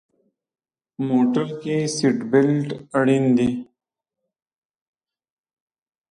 موټر کې سیټ بیلټ اړین دی.